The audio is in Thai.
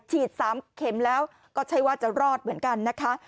ฉีด๓เข็มแล้วก็ใช้ว่าจะรอดเหมือนกันนะคะ